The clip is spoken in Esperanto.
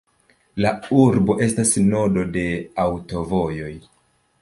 La urbo estas nodo de aŭtovojoj.